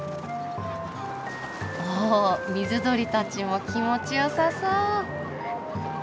お水鳥たちも気持ちよさそう。